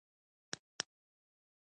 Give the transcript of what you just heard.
کاکا سالم زه ډېر نازولم.